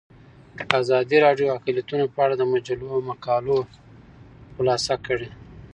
ازادي راډیو د اقلیتونه په اړه د مجلو مقالو خلاصه کړې.